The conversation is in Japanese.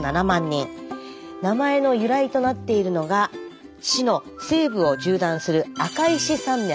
名前の由来となっているのが市の西部を縦断する赤石山脈。